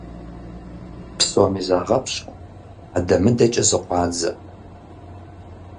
Псоми загъэпщкӀу, адэ-мыдэкӀэ зыкъуадзэ.